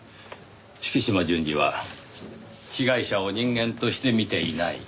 敷島純次は被害者を人間として見ていない。